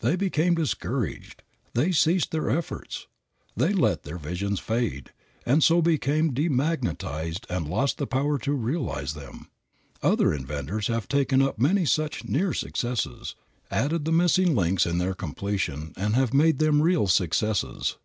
They became discouraged. They ceased their efforts. They let their visions fade, and so became demagnetized and lost the power to realize them. Other inventors have taken up many such "near" successes, added the missing links in their completion and have made them real successes.